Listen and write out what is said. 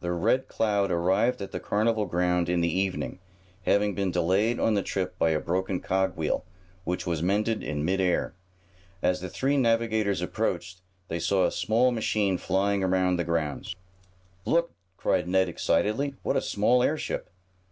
The Red Cloud arrived at the carnival grounds in the evening, having been delayed on the trip by a broken cog wheel, which was mended in mid air. As the three navigators approached, they saw a small machine flying around the grounds. "Look!" cried Ned excitedly. "What a small airship."